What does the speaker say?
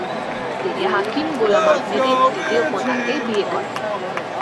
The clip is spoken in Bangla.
তিনি হাকিম গোলাম আহমদের দ্বিতীয় কন্যাকে বিয়ে করেন।